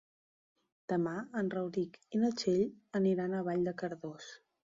Demà en Rauric i na Txell aniran a Vall de Cardós.